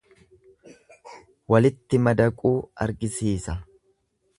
Walitti madaquu argisiisa.